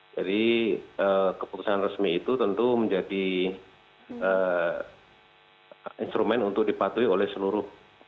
jadi keputusan resmi itu tentu menjadi instrumen untuk dipatuhi oleh seluruh pemerintah